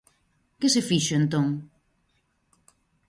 ¿Que se fixo entón?